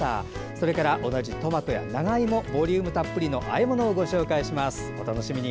そして同じトマトや長芋ボリュームたっぷりあえ物をご紹介します。